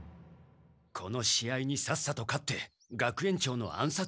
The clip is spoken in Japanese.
この試合にさっさと勝って学園長の暗殺に向かおう。